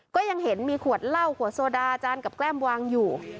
ก็ยังเห็นมีขวดเหล้าขวดโซดาจานกับแก้มวางอยู่